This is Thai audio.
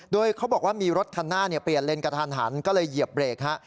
โดยเขาบอกว่ามีรถคันหน้าเปลี่ยนเลนกระทันหันก็เลยเหยียบเบรกฮะ